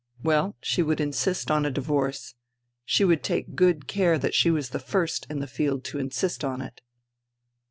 Well, she would insist on a divorce ; she would take good care that she was the first in the field to insist on it.